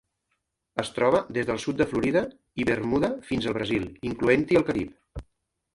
Es troba des del sud de Florida i Bermuda fins al Brasil, incloent-hi el Carib.